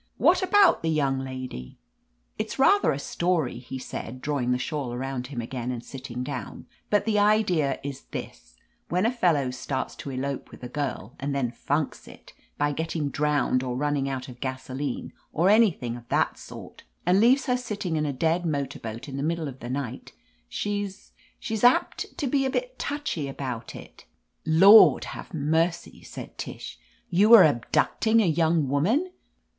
What about the young lady ?" "It's rather a story," he said, drawing the shawl around him again and sitting down. "But the idea is this : when a f ellow\ starts to elope with a girl, and then funks it, by ^getting drowned or running out of gasoline or any thing of that sort, an^ leaves her sitting in a dead motor boat in the middle of the night, she's — she's apt to be touchy about it.'* "Lord have mercy !" said Tish. "You were abducting a young woman